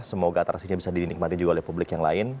semoga atraksinya bisa dinikmati juga oleh publik yang lain